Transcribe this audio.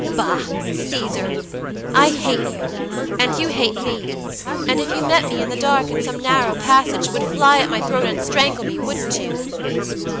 Bah, Caesar! I hate you, and you hate me; and if you met me in the dark in some narrow passage you would fly at my throat and strangle me, wouldn't you?"